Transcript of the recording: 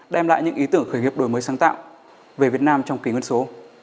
đem lại những ý tưởng khởi nghiệp đổi mới sáng tạo về việt nam trong kỷ nguyên số